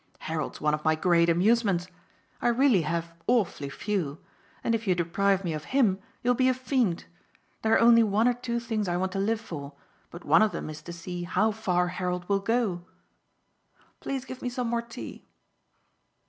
"Harold's one of my great amusements I really have awfully few; and if you deprive me of him you'll be a fiend. There are only one or two things I want to live for, but one of them is to see how far Harold will go. Please give me some more tea."